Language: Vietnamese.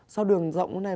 sao đường rộng thế này